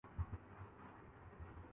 عداوت جو تھی۔